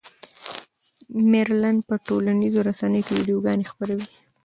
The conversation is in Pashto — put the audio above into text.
مېرلن په ټولنیزو رسنیو کې ویډیوګانې خپروي.